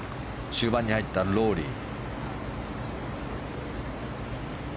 終盤に入ったロウリー。